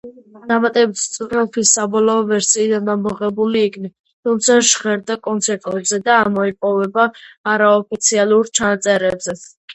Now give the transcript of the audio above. დამატებითი სტროფი საბოლოო ვერსიიდან ამოღებული იქნა, თუმცა ჟღერდა კონცერტებზე და მოიპოვება არაოფიციალურ ჩანაწერებზე.